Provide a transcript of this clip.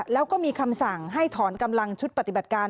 แล้วก็มีคำสั่งให้ถอนกำลังชุดปฏิบัติการ